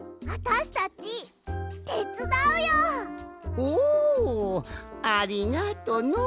おおありがとのう。